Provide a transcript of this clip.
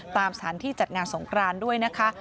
ตามสถานที่จัดงานสงครานด้วยนะคะ